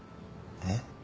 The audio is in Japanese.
えっ？